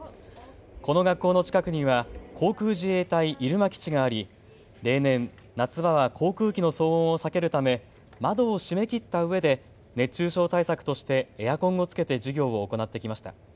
この学校の近くには航空自衛隊入間基地があり例年、夏場は航空機の騒音を避けるため窓を閉めきったうえで熱中症対策としてエアコンをつけて授業を行ってきました。